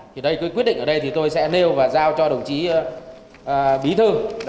thì đây quyết định ở đây thì tôi sẽ nêu và giao cho đồng chí bí thư